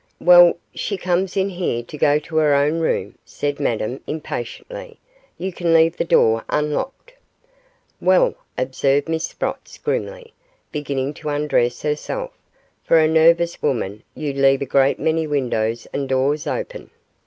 'Well, she comes in here to go to her own room,' said Madame, impatiently; 'you can leave the door unlocked.' 'Well,' observed Miss Sprotts, grimly, beginning to undress herself, 'for a nervous woman, you leave a great many windows and doors open.